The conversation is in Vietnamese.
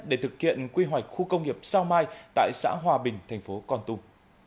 để thực hiện quy hoạch khu công nghiệp sao mai tại xã hòa bình thành phố con tum